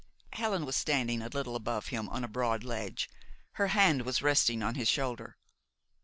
Helen was standing a little above him on a broad ledge. Her hand was resting on his shoulder.